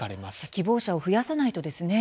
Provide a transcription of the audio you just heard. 希望者を増やさないとですね。